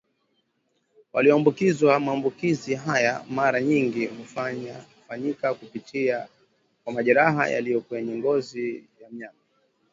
walioambukizwa Maambukizi haya mara nyingi hufanyika kupitia kwa majeraha yaliyo kwenye ngozi ya mnyama